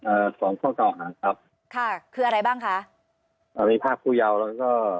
สองข้อเก่าหาครับค่ะคืออะไรบ้างคะอ่ามีภาพผู้ยาวแล้วก็